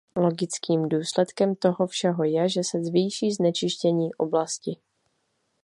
Logickým důsledkem toho všeho je, že se zvýší znečištění oblasti.